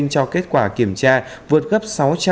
cho kết quả kiểm tra vượt gấp